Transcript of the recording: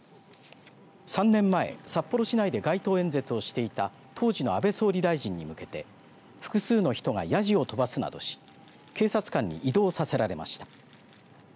３年前、札幌市内で街頭演説をしていた当時の安倍総理大臣に向けて複数の人がやじを飛ばすなどし警察官に移動させられました。